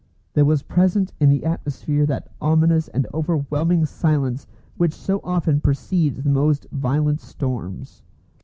There was present in the atmosphere that ominous and overwhelming silence which so often precedes the most violent storms.